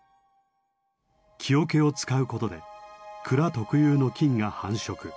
木桶を使うことで蔵特有の菌が繁殖。